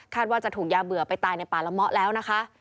ว่าจะถูกยาเบื่อไปตายในป่าละเมาะแล้วนะคะ